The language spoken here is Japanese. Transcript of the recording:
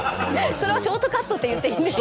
それはショートカットと言っていいんですか？